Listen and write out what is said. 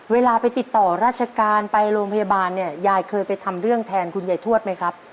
เวลาไปติดต่อราชการไปโรงพยาบาลเนี่ยยายเคยไปทำเรื่องแทนคุณยายทวดไหมครับ